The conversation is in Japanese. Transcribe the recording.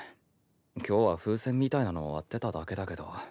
今日は風船みたいなのを割ってただけだけど。